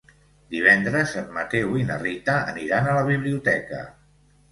Divendres en Mateu i na Rita aniran a la biblioteca.